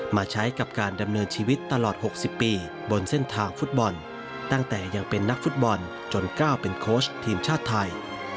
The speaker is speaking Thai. มาใช้กับการดำเนินชีวิตตลอด๖๐ปีบนเส้นทางฟุตบอลตั้งแต่ยังเป็นนักฟุตบอลจนก้าวเป็นโค้ชทีมชาติไทย